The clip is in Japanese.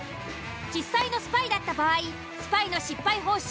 実際のスパイだった場合スパイの失敗報酬